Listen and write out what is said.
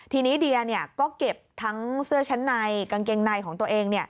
ทีนี้เดียก็เก็บทั้งเสื้อชั้นในกางเกงในของตัวเอง